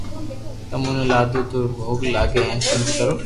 تمو ني لادو رو ڀوگ لاگي ھين سنت ڪرو